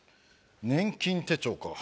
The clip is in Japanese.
年金手帳か。